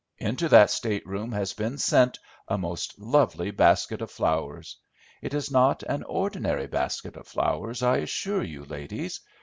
Into that state room has been sent a most lovely basket of flowers. It is not an ordinary basket of flowers, I assure you, ladies.